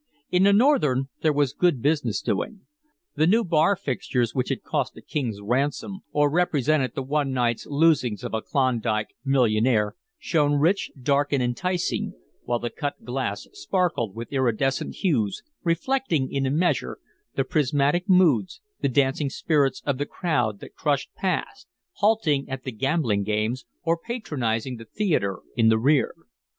In the Northern there was good business doing. The new bar fixtures, which had cost a king's ransom, or represented the one night's losings of a Klondike millionaire, shone rich, dark, and enticing, while the cut glass sparkled with iridescent hues, reflecting, in a measure, the prismatic moods, the dancing spirits of the crowd that crushed past, halting at the gambling games, or patronizing the theatre in the rear.